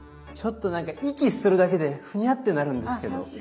ちょっと息するだけでふにゃってなるんですけど。